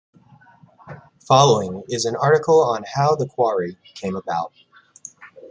Following is an article on how the quarry came about.